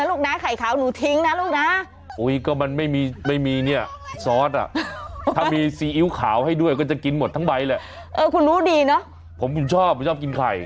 ลูกนะอุ้ยก็มันไม่มีไม่มีเนี้ยซอสอ่ะถ้ามีซีอิ๊วขาวให้ด้วยก็จะกินหมดทั้งใบแล้วเออคุณรู้ดีเนอะผมคือชอบผมชอบกินไข่